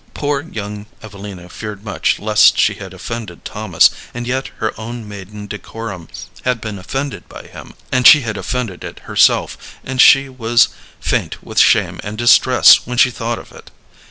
Poor young Evelina feared much lest she had offended Thomas, and yet her own maiden decorum had been offended by him, and she had offended it herself, and she was faint with shame and distress when she thought of it.